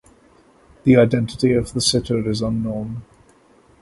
The identity of the sitter is unknown.